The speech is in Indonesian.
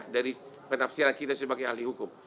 dari penafsiran kita sebagai ahli hukum